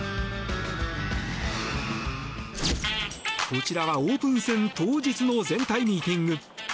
こちらはオープン戦当日の全体ミーティング。